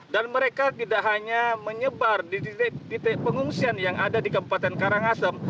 dan mereka tidak hanya menyebar di titik pengungsian yang ada di kabupaten karangasem